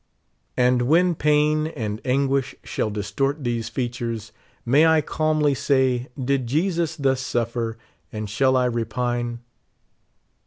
And wlieu pain and anguish shall distort these features, may I calmly say, /lid Jesus thus sutfer, and shall I repine